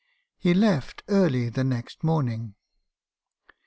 He left early the next morning.